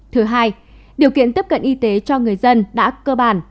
thứ hai điều kiện tiếp cận y tế cho người dân đã cơ bản